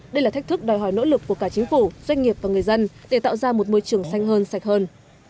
đây là thách thức đòi hỏi nỗ lực của cả chính phủ doanh nghiệp và người dân để tạo ra một môi trường xanh hơn sạch hơn